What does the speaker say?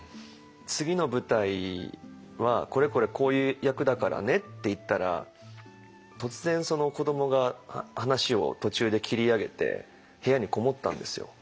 次の舞台は「これこれこういう役だからね」って言ったら突然子どもが話を途中で切り上げて部屋に籠もったんですよ。